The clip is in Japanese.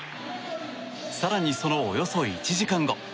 更にそのおよそ１時間後。